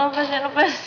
lepas ya lepas